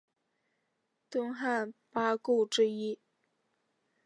东汉八顾之一。